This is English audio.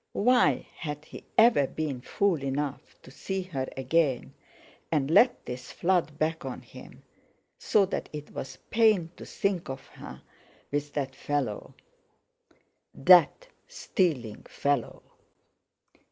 Why had he ever been fool enough to see her again, and let this flood back on him so that it was pain to think of her with that fellow—that stealing fellow.